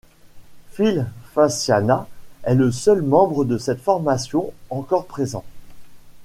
Phil Fasciana est le seul membre de cette formation encore présent.